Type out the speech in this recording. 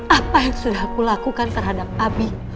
apa yang sudah aku lakukan terhadap abi